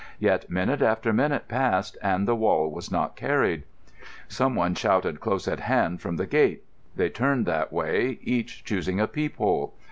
Yet minute after minute passed, and the wall was not carried. Someone shouted close at hand from the gate. They turned that way, each choosing a peephole.